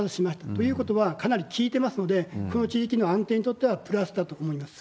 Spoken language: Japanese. ということは、かなりきいてますので、この地域の安定にとってはプラスだと思います。